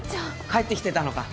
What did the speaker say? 帰ってきてたのか。